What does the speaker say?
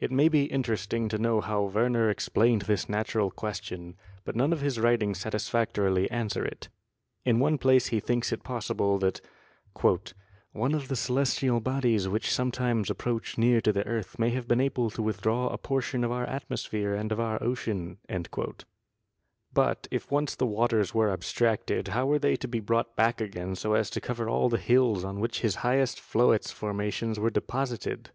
It may be interesting to know how Werner explained this natural question, but none of his writings satisfactorily answer it. In one place he thinks it possible that "one of the celestial bodies which some times approach near to the earth may have been able to withdraw a portion of our atmosphere and of our ocean." But if once the waters were abstracted, how were they to be brought back again so as to cover all the hills on which his highest Floetz formations were deposited?